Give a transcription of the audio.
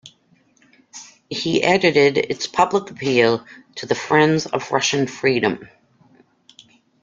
He edited its public appeal "To the Friends of Russian Freedom".